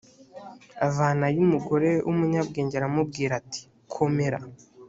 avanayo umugore w umunyabwenge aramubwira ati komera